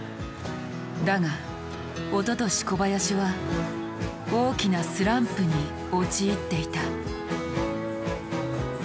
だがおととし小林は大きなスランプに陥っていた。